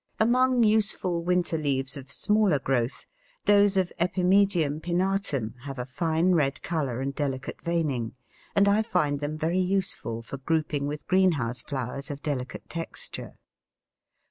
Among useful winter leaves of smaller growth, those of Epimedium pinnatum have a fine red colour and delicate veining, and I find them very useful for grouping with greenhouse flowers of delicate texture.